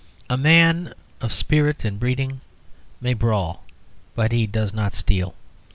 A man of spirit and breeding may brawl, but he does not steal.